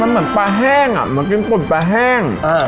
มันเหมือนปลาแห้งมันกินกลุ่นปลาแห้ง